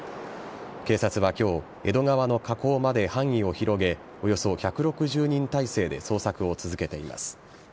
警察は今日江戸川の河口まで範囲を広げおよそ１６０人態勢で捜索を続けています。